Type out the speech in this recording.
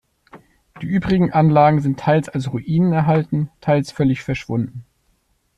Die übrigen Anlagen sind teils als Ruinen erhalten, teils völlig verschwunden.